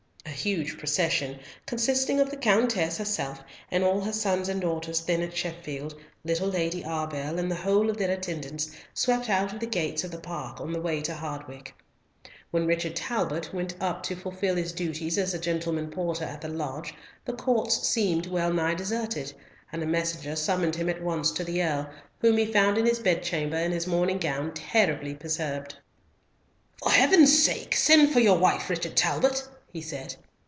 A huge procession, consisting of the Countess herself, and all her sons and daughters then at Sheffield, little Lady Arbell, and the whole of their attendants, swept out of the gates of the park on the way to Hardwicke. When Richard Talbot went up to fulfil his duties as gentleman porter at the lodge the courts seemed well nigh deserted, and a messenger summoned him at once to the Earl, whom he found in his bed chamber in his morning gown terribly perturbed. "For Heaven's sake send for your wife, Richard Talbot!" he said.